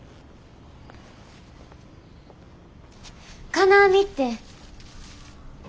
金網って。